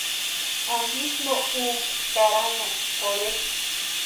¿Antisï no úkʼi karanhani pʼorhe?